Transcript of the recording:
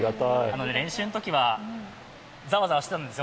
練習のときはざわざわしてたんですよ